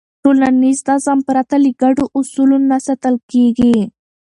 ټولنیز نظم پرته له ګډو اصولو نه ساتل کېږي.